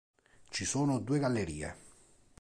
Ci sono due gallerie.